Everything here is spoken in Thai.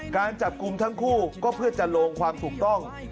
การจับกลุ่มทั้งคู่ก็เพื่อจะลงความถูกต้อง